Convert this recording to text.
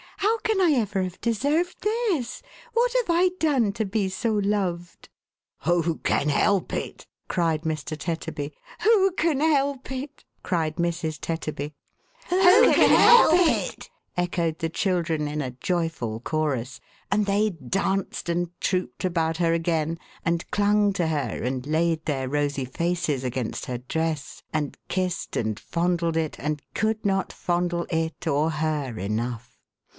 How can I ever have deserved this ! What have I done to be so loved ?"" Who can help it !" cried Mr. Tetterbv. " Who can help it !" cried Mrs. Tetterby. "Who can help it!"" echoed the children, in a joyful chorus. And they danced and trooped about her again, and clung to her, and laid their rosy faces against her dress, and kissed and fondled it, and could not fondle it, or her, enough.